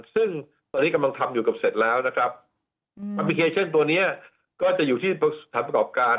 ซึ่งตอนนี้กำลังทำอยู่กับเสร็จแล้วนะครับแอปพลิเคชันตัวนี้ก็จะอยู่ที่สถานประกอบการ